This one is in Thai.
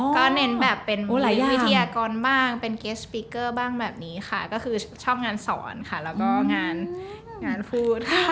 ก็เนินแบบมุมวิทยากรบางเป็นเก็ทสพีคเกอร์บ้างแบบนี้ค่ะก็คือช่องงานสอนแล้วก็งานพูด